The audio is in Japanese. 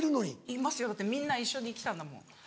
いますよだってみんな一緒に来たんだもん。